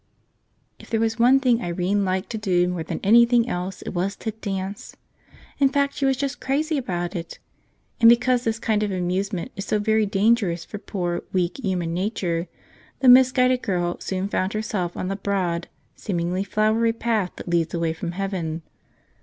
IF THERE was one thing Irene liked to do more than anything else it was to dance. In fact, she was just crazy about it; and because this kind of amusement is so very dangerous for poor, weak human nature, the misguided girl soon found herself on the broad, seemingly flowery path that leads away from heaven.